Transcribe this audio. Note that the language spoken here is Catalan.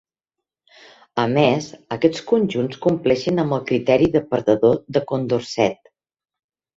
A més, aquests conjunts compleixen amb el criteri de perdedor de Condorcet.